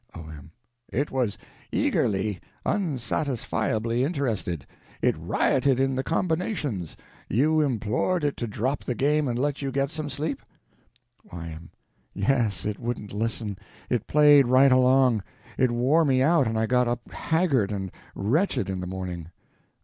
O.M. It was eagerly, unsatisfiably interested; it rioted in the combinations; you implored it to drop the game and let you get some sleep? Y.M. Yes. It wouldn't listen; it played right along. It wore me out and I got up haggard and wretched in the morning.